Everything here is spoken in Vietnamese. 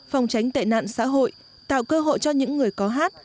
phòng tránh tệ nạn xã hội tạo cơ hội cho những người có hát